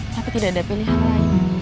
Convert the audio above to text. tapi tidak ada pilihan lain